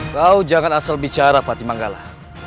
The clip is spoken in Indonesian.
wow jangan asal bicara pati manggala